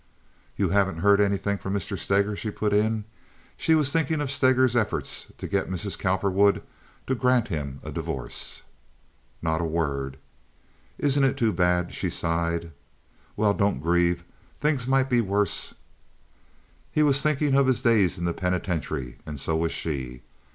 "You haven't heard anything more from Mr. Steger?" she put in. She was thinking of Steger's efforts to get Mrs. Cowperwood to grant him a divorce. "Not a word." "Isn't it too bad?" she sighed. "Well, don't grieve. Things might be worse." He was thinking of his days in the penitentiary, and so was she.